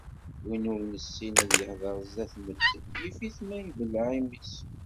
Win ur nessin ad yehder zdat n medden, yif-it ma ibelleɛ imi-s